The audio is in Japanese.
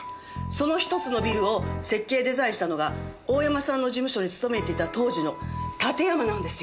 その１つのビルを設計デザインしたのが大山さんの事務所に勤めていた当時の館山なんですよ。